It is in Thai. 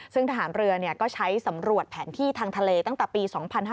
ซึ่งทหารเรือก็ใช้สำรวจแผนที่ทางทะเลตั้งแต่ปี๒๕๕๙